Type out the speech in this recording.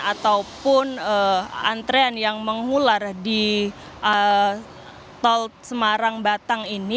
ataupun antrean yang mengular di tol semarang batang ini